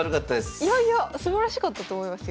いやいやすばらしかったと思いますよ。